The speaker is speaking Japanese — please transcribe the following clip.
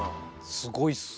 すごいっすね。